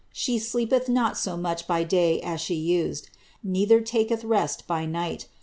She sleepeth not so much by day as she used, neither taketh rest by night.